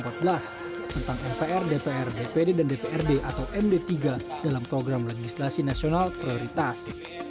tentang mpr dpr dpd dan dprd atau md tiga dalam program legislasi nasional prioritas